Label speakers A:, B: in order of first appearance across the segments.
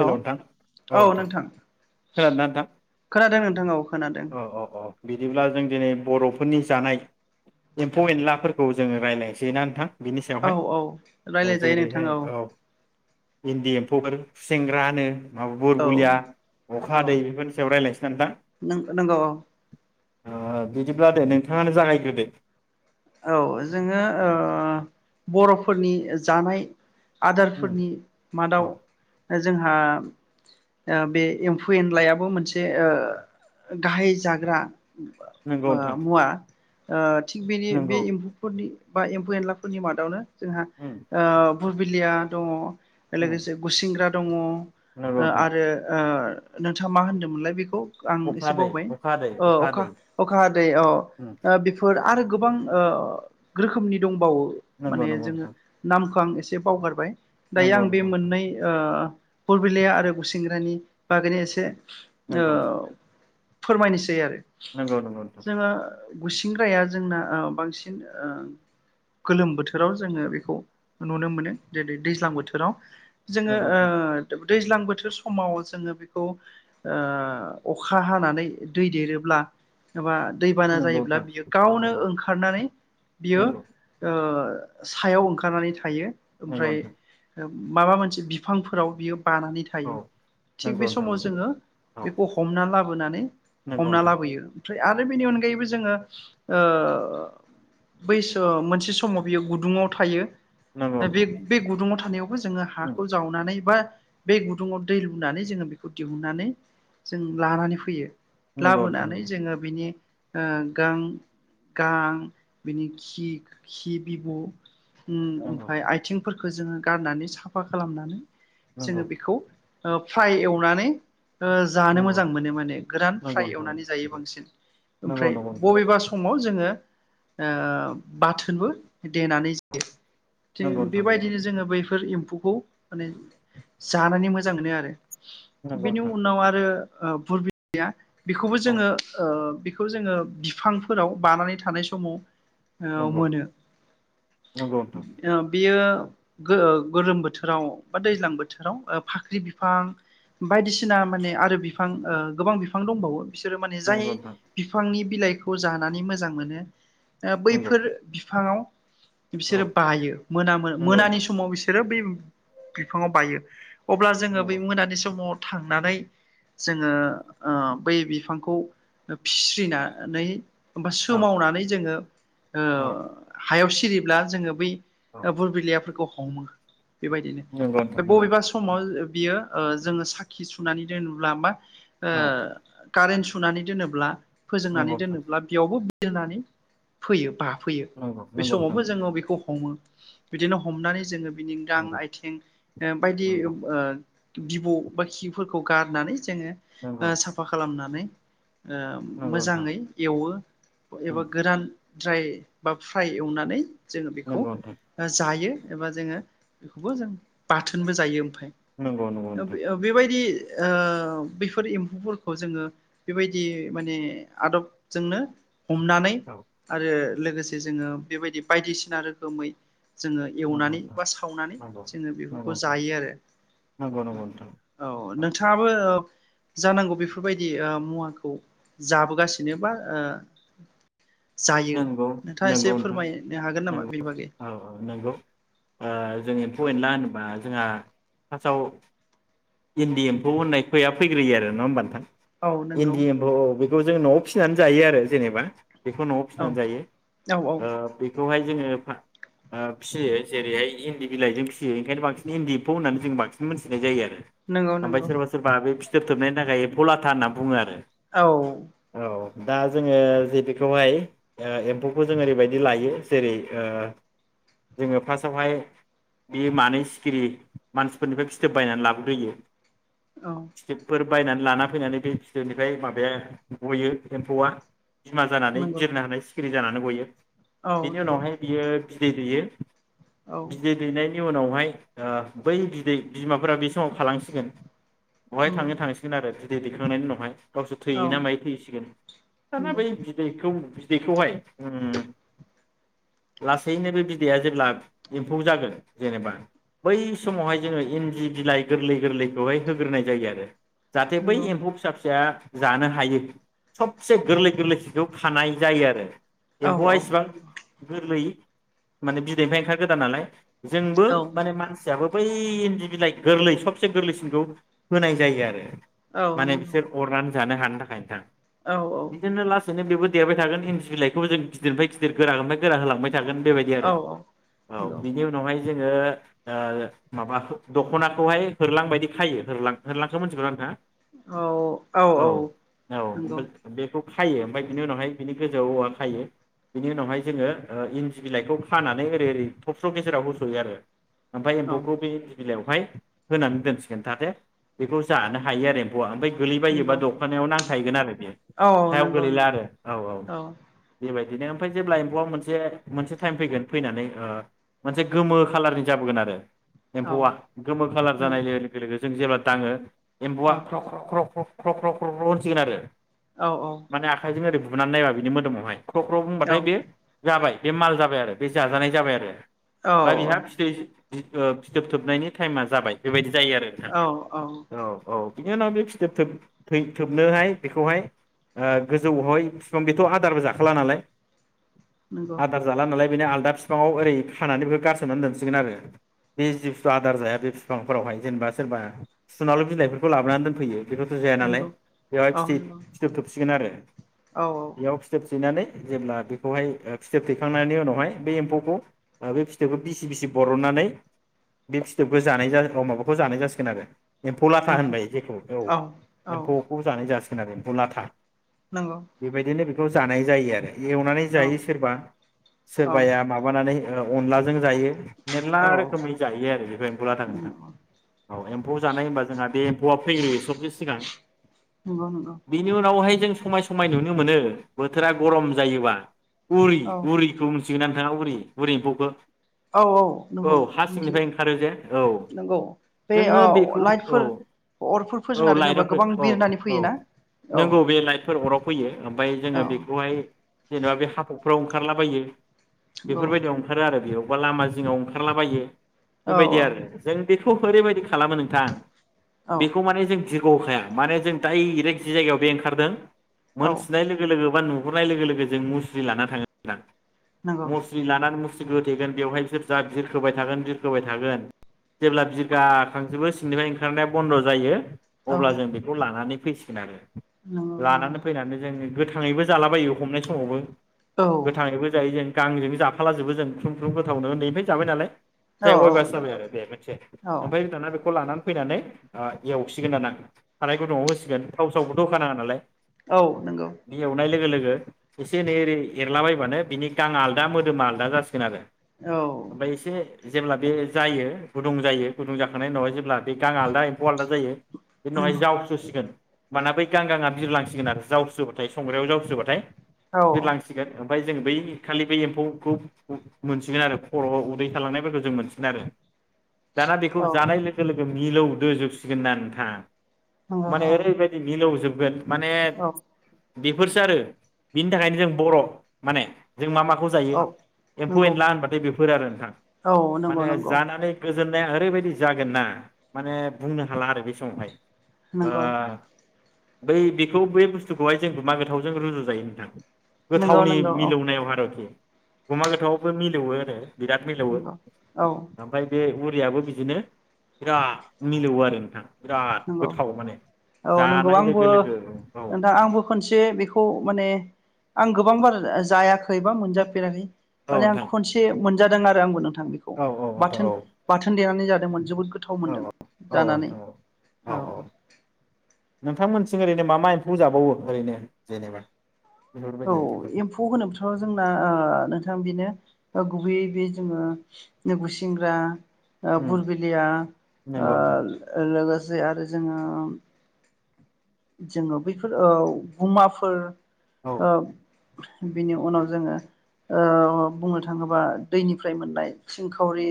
A: Hello नोंथां औ नोंथां खोनादोंना नोंथां
B: खोनादों नोंथां औ खोनादों
A: औ औ औ बिदिब्ला जों दिनै बर' फोरनि जानाय एम्फौ एनलाफोरखौ जोङो रायज्लायनोसै ना नोंथां बिनि
B: औ
A: सायावहाय
B: औ
A: ओ
B: राय्लायजायो नोंथां
A: जेरैहाय
B: औ
A: इन्दि एम्फौ आरो खुसेंग्रानो मा बुर
B: औ
A: बुलिया अखा
B: औ
A: दै बेफोरनि सायाव रायलायनोसैना नोंथां
B: नंगौ औ
A: ओ बिदिब्ला दे नोंथाङानो जागायग्रोदो
B: औ जोङो ओ बर'फोरनि जानाय
A: उम
B: आदारफोरनि मादाव
A: औ
B: जोंहा आ बे एम्फौ एनलायाबो मोनसे गाहाय जाग्रा
A: नंगौ
B: ओ
A: नोंथां
B: मुवा ओ थिग बेनि बि
A: नंगौ
B: एम्फौफोरनि बा एम्फौ एनलाफोरनि मादावनो जोंहा
A: उम
B: ओ भुरबिलिया दङ
A: उम
B: लोगोसे गुसिंग्रा दङ ओ
A: नंगौ नोंथां
B: आरो ओ नोंथाङा मा होनदोंमोनलाय बेखौ आं
A: अखा
B: एसे
A: दै
B: बावबाय
A: अखा दै
B: अ अखा
A: दै
B: अखा हादै अ
A: उम
B: ओ बेफोर आरो गोबां ओ रोखोमनि दं बावो
A: नंगौ
B: माने
A: नंगौ
B: जोङो
A: नोंथां
B: नामखो आं एसे बावगारबाय दायो
A: नंगौ
B: आं बे
A: नंगौ नोंथां
B: मोननै ओ बरबिलाया आरो गुसिंग्रानि बागैनि एसे औ
A: नंगौ
B: फोरमायनोसै आरो
A: नंगौ नंगौ नोंथां।
B: जोङो गुसिंग्राया जोंना ओम बांसिन ओ गोलोम बोथोराव जोङो बेखौ नुनो मोनो जेरै दैज्लां बोथोराव जोङो
A: नंगौ
B: ओ
A: नोंथां
B: जोबोद दैज्लां बोथोर समाव जोङो बेखौ ओ अखा हानानै दै देरोब्ला एबा दैबाना
A: नंगौ
B: जायोब्ला
A: नोंथां
B: बियो गावनो
A: नंगौ
B: ओंखा नानै बियो
A: नंगौ
B: ओ ओ सायाव ओंखारनानै थायो।
A: नंगौ
B: ओमफ्राय
A: नोंथां
B: ओ माबा मोनसे बिफांफोराव बियो बानानै
A: औ
B: थायो थिग बे
A: नंगौ नोंथां
B: समाव
A: नंगौ
B: जोङो
A: औ
B: बेखौ हमना लाबोनानै
A: नंगौ
B: हमना
A: नोंथां
B: लाबोयो। फ्राय आरो बेनि अनगायैबो जोङो‌ ओ बैसो मोनसे समाव बियो गुदुङाव थायो।
A: नंगौ
B: दा बे
A: नोंथां
B: बे गुदुंआव थानायाव जोङो हाखौ जावनानै बा बे गुदुङाव दै लुनानै जोङो बेखौ दिहुननानै जों लानानै फैयो।
A: नंगौ नोंथां
B: लाबोनानै जोङो बिनि ओ गां-गां बिनि खि-खि बिब' उम
A: नंगौ
B: उमफ्राय आथिं फोरखौ जोङो गारनानै साफा खालामनानै
A: नंगौ
B: जोङो बेखौ ओ फ्राय एवनानै ओ जानो मोजां मोनो माने गोरान
A: नंगौ नंगौ
B: फ्राय एवनानै जायो बांसिन ओमफ्राय
A: नोंथां
B: बबेबा समाव जोङो ओ बाथोनबो देनानै जायो थिं
A: नंगौ नोंथां
B: बेबायदिनो जोङो बैफोर एम्फौखौ माने जानानै मोजां मोनो आरो
A: नंगौ
B: बेनि उनाव आरो ओ फुरबिया बेखौबो जोङो ओ खौ जोंओ बिफांफोराव बानानै थानाय समाव ओ
A: नंगौ
B: मोनो
A: नंगौ नोंथां
B: ओम बेयो गो गोलोम बोथोराव बा दैज्लां बोथोराव ओ फाख्रि बिफां बायदिसिना माने आरो बिफां ओ गोबां बिफां दंबावो बिसोरो माने जाय
A: नंगौ नोंथां नंगौ नोंथां औ नंगौ नोंथां
B: बिफांनि बिलाइखौ जानानै मोजां मोनो आ
A: नंगौ नोंथां नंगौ
B: बैफोर बिफाङाव
A: औ
B: बिसोरो बायो मोनामो
A: नंगौ
B: मोनानि
A: नोंथां
B: समाव बिसोरो बै बिफाङाव बायो। अब्ला जोङो बै
A: नंगौ
B: मोनानि समाव थांनानै जोङो ओ बै बिफांखौ फिस्रिनानै होमबा
A: औ
B: सोमावनानै। जोंओ‌।
A: औ
B: ओ। हायाव सिरिब्ला जोङो बै
A: औ
B: बुर बिलिइयाफोरखौ हमो। बेबायदिनो
A: नंगौ नोंथां
B: बे
A: नंगौ
B: बबेबा समाव बियो जोङो ओ साखि सुनानै दोनोब्ला मा
A: औ
B: ओ कारेनस सुनानै दोनोब्ला फोजोंनानै
A: नंगौ नोंथां
B: दोनोब्ला बेयावबो दोनानै। फैयोबा फैयो
A: नंगौ
B: बे
A: नंगौ नोंथां
B: समावबो जोङो बेखौ हमो। बिदिनो हमनानै जोङो बिनि गां
A: नंगौ
B: आइथिं ओ बायदि ओ
A: नंगौ
B: बिबौ बा खिफोरखौ गारनानै। जोङो
A: नंगौ
B: ओ साफा खालामनानै। ओ
A: नंगौ नोंथां
B: मोजाङै एवो एबा [unintelligible] जाय बा फ्राय एवनानै। जोङो बेखौ
A: नंगौ नोंथां
B: ओ जायो। एबा जोङो बेखौबो जों बाथोनबो जायो।
A: नंगौ नंगौ
B: [unintelligible]
A: नोंथां
B: बेबायदि। ओ बेैफोर एम्फौफोरखौ जोङो बेबायदि माने आदबजोंनो हमनानै।
A: औ
B: आरो। लोगोसे जोङो बेबायदि बायदिसिना रोखोमै। जोङो
A: नंगौ
B: एवनानै
A: नोंथां
B: बा सावनानै
A: नंगौ
B: जोङो
A: नंगौ
B: बेफोरखौ जायो आरो
A: नोंथां नंगौ नोंथां
B: औ नोंथाङाबो ओ जानांगौ बेफोरबायदि ओ मुवाखौ जाबोगासिनो बा ओ। जायो नोंथाङा एसे
A: नंगौ-नंगौ नोंथां
B: फोरमायनो हागोन नामा बेनि
A: नंगौ
B: बागै
A: औ-औ नंगौ ओ जों
B: औ
A: एम्फौ-एन्ला होनोबा जोंहा फासाव इन्दि एम्फौ होननाय खया फैग्रोयो आरो नङा होमबा नोंथां।
B: औ नंगौ
A: इन्दि एम्फौ बे खौ जों न'आव फिसिनानै जायो आरो जेनेबा बेखौ न'आव।
B: औ
A: होजायो
B: औ औ
A: ओ बे बेखौहाय जोङो फाब ओ फिसियो जेरैहाय इन्दि बिलाइजों फिसियो ओंखायनो बांसिन इन्दि एम्फौ होननानै जों बांसिन मोनथिनाय जायो आरो।
B: नंगौ
A: आमफाय
B: नंगौ
A: सोरबा-सोरबा बे फि फिथोबथोबनायनि थाखाय एम्फौ लाथा होनना बुङो आरो।
B: औ।
A: औ दा जोङो जे बेखौहाय। ओ एम्फौखौ जों ओरैबायदि लायो जेरै- ओ जोङो फासावहाय बे मानै सिखिरि मानसिफोरनिफ्राय फिथोब बायनानै लाबोग्रोयो।
B: औ
A: फिथोबफोर बायनानै लाना फैनानै बे फिथोबनिफ्राय माबाया गयो एम्फौआ। बिमा जानानै
B: नंगौ
A: बिरनो हानायस सिखिरि जानानै गयो।
B: औ
A: बेनि
B: नंगौ
A: उनावहाय बियो। बिदै दोयो।
B: औ
A: बिदै दैनाय। नि उनावहाय ओ बै बिदै बिमाफोरा बे समाव खाला सिगोन बावहाय
B: नंगौ
A: थांङो थांसिगोन आरो। बिदै दैखांनायनि उनावहाय। गावसोर थैहैयोना
B: औ
A: मायो थैहैसिगोन दाना
B: नंगौ
A: बै बिदैखौ। बेखौहाय। उम। लासैनो बे बिदैआ जेब्ला एम्फौ जागोन जेनेबा बै समावहाय जोङो इन्दि बिलाइ गोरलै गोरलैखौहाय होग्रोनाय जायो आरो जाहाथे बै
B: नंगौ
A: एम्फौ फिसा फिसाया जानो हायो सबसे गोरलै गोरलै बिजौ खानाय जायो आरो
B: औ
A: एम्फौआ
B: औ
A: इसिबां
B: नंगौ
A: गोरलै माने बिदैनिफ्राय ओंखार गोदान नालाय जोंबो
B: औ
A: माने मानसि मसियाबो बै इन्दि बिलाइ गोरलै सबसे गोरलैसिनखौ होनाय जायो आरो
B: औ
A: माने
B: नंगौ
A: बिसोर अरनानै जानो हानाय थाखाय नोंथां
B: औ
A: बिदिनो लासैनो बेबो देरबाय थागोन इन्दि बिलाइखौ जों गिदिरनिफ्राय गिदिर गोरानिफ्राय गोरा होलांबाय थागोन बेबायदि आरो
B: औ
A: औ
B: नंगौ
A: बिनि उनावहाय जोङो ओ माबा दख'नाखौहाय होरलांबायदि खायोहोरलां होरलांखो मिथिगौ ना नोंथाङा?
B: औ औ औ नंगौ
A: हायो ओमफ्राय बिनि उनावहाय बिनि गोजौआव औवा खायो बिनि उनावहाय जोङो इन्दि बिलाइखौ खानानै ओरै ओरै थबस्र' गेजेराव होस'यो आरो ओमफ्राय
B: औ
A: एम्फौखौ बे बिलाइआव बेहाय होनानै दोनसिगो जाहाथे बेखौ जानो हायो आरो एम्फौआ ओमफ्राय गोलैबायोबा
B: नंगौ
A: दख'नाव नांथाना थाहैगोन आरो बेयो
B: औ औ
A: सायाव
B: नंगौ
A: गोलैला
B: नंगौ
A: आरो औ औ बेबायदि ओरैनो ओमफ्राय जेब्ला एम्फौआ मोनसे मोनसे टाइम फैगोन फैनानै मोनसे ओ गोमो खाालारनि जाबोगोन आरो एम्फौआ गोमो खाालार जानाय लोगो लोगोनो जों जेब्ला दाङो एम्फौआ ख्र' ख्र' ख्र' ख्र' ख्र' ख्र' ख्र' होनसिगोन आरो
B: औ
A: माने आखाइजों ओरै बुनानै नायबा बि मोदोमावहाय ख्र' ख्र' बुंबाथाय बे जाबाय बे माल जाबाय आरो बे जाजानाय जाबाय आरो
B: औ
A: बा बिहा फिथै
B: औ
A: ओ फिथोब थोबनायनि टाइमा जाबाय बेबायदि जायो आरो
B: नंगौ
A: नोंथां औ औ बिनि उनाव बे फिथोबोब थै थोबनोहाय बेखौहाय ओ गोजौआवहाय बेसिबां बेथ' आदारबो जाखाला नालाय
B: नंगौ
A: आदार जाला नालाय बेनो आलदा बिफाङाव ओरै फानानै बेखौ गारसननानै दोनसिगोन आरो बे जिथु आदार जाया बे बिफांफोरावहाय जेनेबा सोरबा सुनाल' बिलाइफोरखौ लाबोनानै दोनफैयो बेफोरथ' जाया नालाय बेवहाय
B: औ नंगौ
A: फिथोब थोबसिगोन आरो
B: औ
A: इआव थेनानै जेब्ला बेखौहाय फिथोब थेखांनायनि उनावहाय बे एम्फौखौ बे फिथोबखौ बिसि बिसि बरननानै बे फिथोबखौ जानाय माबाखौ जानाय जासिगोन आरो एम्फौ लाथा होनबाय
B: एम्फौखौ
A: जेखौ औ
B: औ
A: एम्फौखौ जानाय जासै एम्फौ लाथा
B: नंगौ
A: बेबायदिनो बेखौ जानाय जायो आरो एवनानै
B: औ
A: जायो सोरबा
B: औ
A: सोरबाया माबानानै ओ अनलाजों जायो। मेरला
B: औ
A: रोखोमै जायो आरो बेफोर एम्फौ लाथाखौ
B: नंगौ
A: नोंथां औ एम्फौ जानाय होनबा जोंहा बे एम्फौआ फैगयो सबसे सिगां।
B: नंगौ नंगौ
A: बेनि उनावहाय जों समाय समाय नुनो मोनो बोथोरा गरम जायोबा उरि
B: औ
A: उरिखौ मिथिगोना उरि उरि एम्फौखो
B: औ औ नंगौ मिथिगौ
A: ओंखारो जे औ
B: नंगौ बे
A: जोङो
B: ओ
A: बेखौ औ
B: लाइटफोर अरफोरफोर
A: औ
B: जोंना देनेबा
A: लाइटआव
B: गोबां
A: औ
B: बिरनानै
A: औ
B: फैयो ना। औ
A: नंगौ बे लाइटफोर अराव फैयो। ओम फ्राय जोङो
B: औ
A: बेखौहाय जेनेबा बे हाकफ्राव ओंखारलाबायो।
B: नंगौ
A: बेफोरबायदियाव ओंखारो आरो बेयाव अबेबा लामा जिङाव ओंखारलाबायो।
B: औ
A: बेबायदि आरो जों बेखौ ओरैबायदि खालामो नोंथां
B: औ
A: बेखौ माने जों बिरग होखाया माने जों दा इरेक जि जायगायाव बे ओंखारदों।
B: औ
A: मोनथिनाय लोगो लोगो बा नु नुहरनाय लोगो लोगो जों मुस्रि लाना थाङो नों थां।
B: नंगौ
A: मुसुलि लानानै मुस सिबो होथेगोन बेवहाय बिसोर जा बिरखोबाय थागोन बिरखोबाय थागोन जेब्ला बिगाखांजोबो सिंनिफ्राय ओंखारनाया बन्द' जायो।
B: औ
A: अब्ला जों बेखौ लानानै फैसिगोन आरो
B: नंगौ
A: जोङो गोथाङैबो जालाबायो हमनाय समावबो
B: औ
A: गोथाङैबो जायो जों गांजों जाफाला जोबो जों ख्रुं ख्रुं गोथावनो उन्दैनिफ्राय जाबाय नालाय। जे
B: औ
A: अयभास
B: नंगौ
A: जाबाय आरो दे मोनथिया
B: औ
A: ओमफ्रायाना बेखौ लानानै फैनानै ओ एवसिगोन ना थानाय गुदुंआव होसिगोन थाव सावबो थ' होखानाङा नालाय।
B: औ नंगौ
A: बे एवनाय लोगो एसे एनै रै एरलाबायबानो बिनि गांङा आलदा मोदोमा आलदा जासिगोन आरो ओमफय इसे जेब्ला बे जायो गुदुं जायो गुदुं जाखांनायनि उनावहाय जेब्ला बे गाङा आलदा एम्फौ आलदा जायो बेनि उनावहाय
B: नंगौ
A: जावस्रोसिगोन बाना बै गां गांआ बिरलांसि सिगोन आरो जावस्रोबाथाय जावस्रोबाथाय
B: औ
A: बिरलांसिगोन ओमफ्राय जों बै खालि बै एम्फौखौ मोनसिगोन आरो खर'आव उदै थालांनायफोरखौ जों मोनसिगोन आरो दाना बेखौ जानाय लोगो लोगो मिलौदोजोबसिगोन ना नोंथां माने
B: नंगौ
A: ओरै बाइदि मिलौजोब [unintelligible] माने
B: औ
A: बेफोरसो आरो बिनि थाखायनो जों बर' माने जों मा माखौ जायो
B: औ
A: एम्फौ
B: नंगौ
A: एनला होनबाथाय बेफोर आरो नोंथां
B: औ नंगौ
A: माने
B: नंगौ
A: जानानै गोजोन माने ओरैबायदि जागोन ना माने बुंनो हाला आरो बे समावहाय
B: नंगौ
A: ओ बै बेखौ बै बुस्थुखौहाय जों मा [unintelligible] रुजु जायो नोंथां
B: नंगौ
A: गोथावनि
B: नंगौ औ
A: मिलौनायाव आरोखि गुमा गोथावावबो मिलौवो आरो बिराद मिलौवो
B: नंगौ औ
A: ओमफ्राय बे उ याबो बिदिनो बिराद मिलौवो आरो नोंथां बिराद
B: नंगौ
A: गोथाव माने जानाय लोगो लोगो
B: औ
A: औ
B: दा आंबो खोनसे बेखौ माने आं गोबां बार जायाखैबा मोनजाफेराखै
A: औ
B: माने आं
A: नोंथां
B: खनसे मोन जादों आरो आंबो नों थां बेखौ
A: औ औ नोंथां
B: बाथोन
A: औ
B: बाथोन देनानै जा दोंमोन जोबोद गोथाव मोनदों
A: औ औ
B: जानानै
A: नोंथां
B: औ
A: नोंथांमोननिथिं ओरैनो मा मा एमफौ जाबावो ओरैनो जेनेबा
B: औ
A: बेफोरबायदि एम्फौखौ
B: एमफौ होनोबाथ' जोंना ओ नोंथां बिनो ओ गुबै बे जोङो नोगुसिंग्रा ओ
A: उम
B: बुरबिलिया
A: नंगौ नोंथां
B: ओ लोगो जायो आरो जोङो जोङो बैफोर औ गुमाफोर औ बिनि उनाव जोङो ओ बुंनो थाङोबा दैनिफ्राय मोननाय सिंखावरि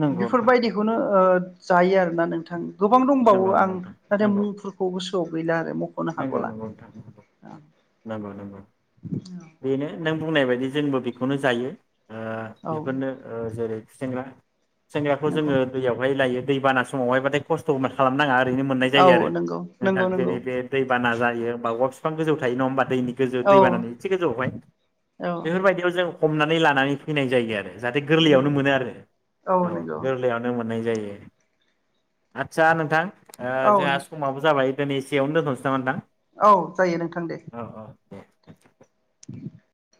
A: नंगौ नोंथां
B: बेफोरबायदिखौनो ओ जायो आरोना नोंथां गोबां दंबावो
A: नंगौ नंगौ
B: आं
A: नोंथां
B: नाथाय
A: नंगौ
B: मुंफोरखौबो गोसो याव गैला
A: नंगौ नंगौ नोंथां नंगौ नंगौ बेनो नों बुंनाय बायदि जोंबो बेखौनो जायो ओ
B: औ
A: बेफोरनो ओ जेरै गुसेंग्रा गुसेंग्राखौ
B: नंगौ
A: जोङो दैयावहाय लायो दैबाना समावहायबाथाय खस्थ' इमान खालामनाङा ओरैनो मोननाय जायो
B: औ
A: आरो
B: नंगौ
A: नोंथां
B: नंगौ नंगौ
A: जेरै बे बाना जायो बा औवा बिफां गोजौ थायो नङा होमबा दैनि गोजौ
B: औ
A: दै बानानि एसे गोजौआवहाय
B: औ
A: बेफोरबायदियाव जों हमनानै लानानै फैनाय जायो आरो जाहाथे
B: नंगौ
A: गोरलैयावनो मोनो आरो औ गोरलैयावनो मोनो नाय जायो आदसा नोंथां ओ
B: औ
A: जोंहा
B: नोंथां
A: समाबो जाबाय दिनै एसेयावनो दोनथ'नोसै नामा नोंथां
B: औ जायो नोंथां दे
A: औ औ दे
B: [inaudible]